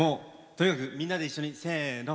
とにかくみんなで一緒にせの。